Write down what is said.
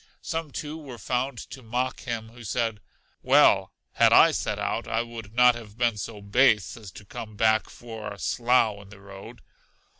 Some, too, were found to mock him, who said Well, had I set out, I would not have been so base as to come back for a slough in the road.